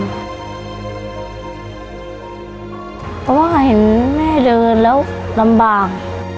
เพราะว่าเห็นแม่เดินแล้วลำบาก